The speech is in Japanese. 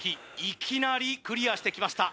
いきなりクリアしてきました